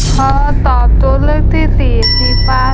ขอตอบจุดเรื่องที่สี่